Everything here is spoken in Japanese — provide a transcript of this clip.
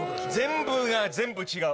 全部が全部違う。